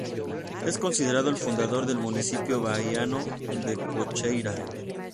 Es considerado el fundador del municipio bahiano de Cachoeira.